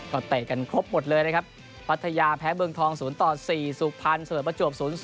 ก็เตะกันครบหมดเลยนะครับพัทยาแพ้เมืองทอง๐ต่อ๔สุพรรณเสมอประจวบ๐๐